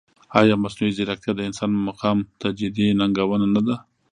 ایا مصنوعي ځیرکتیا د انسان مقام ته جدي ننګونه نه ده؟